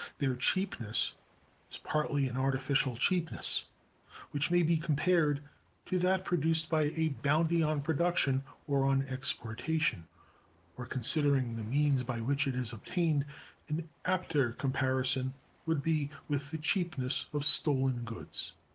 Their cheapness is partly an artificial cheapness, which may be compared to that produced by a bounty on production or on exportation; or, considering the means by which it is obtained, an apter comparison would be with the cheapness of stolen goods.